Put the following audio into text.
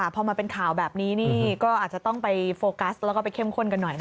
พอมาเป็นข่าวแบบนี้นี่ก็อาจจะต้องไปโฟกัสแล้วก็ไปเข้มข้นกันหน่อย